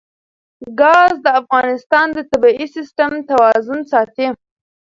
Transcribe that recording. ګاز د افغانستان د طبعي سیسټم توازن ساتي.